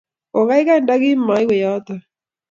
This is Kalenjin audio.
Gogaigai ndakimaiwe yotok.